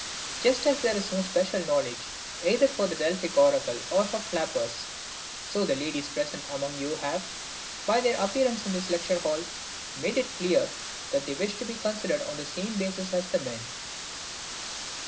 Just as there is no special knowledge either for the Delphic oracle or for flappers, so the ladies present among you have, by their appearance in this lecture hall, made it clear that they wish to be considered on the same basis as the men.